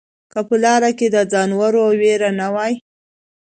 که په لاره کې د ځناورو وېره نه وای